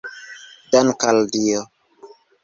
Dank’ al Dio!